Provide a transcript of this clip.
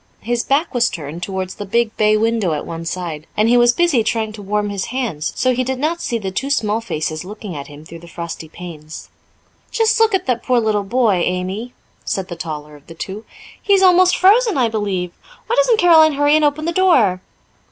His back was turned towards the big bay window at one side, and he was busy trying to warm his hands, so he did not see the two small faces looking at him through the frosty panes. "Just look at that poor little boy, Amy," said the taller of the two. "He is almost frozen, I believe. Why doesn't Caroline hurry and open the door?"